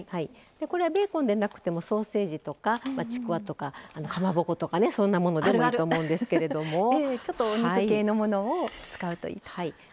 ベーコンでなくてもソーセージとかちくわとか、かまぼこかとねそんなものでもいいと思うんですけれどもを使うといいと。